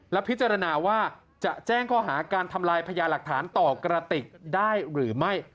และพิจารณาว่าจะแจ้งข้อหาการทำลายพญาหลักฐานต่อกระติกได้หรือไม่